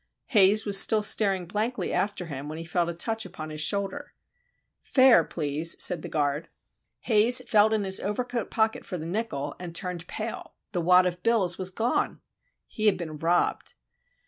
Haze was still staring blankly after him when he felt a touch upon his shoulder. "Fare, please," said the guard. Haze felt in his overcoat pocket for the nickel, and turned pale. The wad of bills was gone! He had been robbed.